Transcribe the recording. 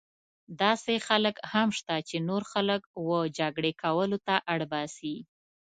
داسې خلک هم شته چې نور خلک وه جګړې کولو ته اړ باسي.